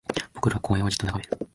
僕らは公園をじっと眺める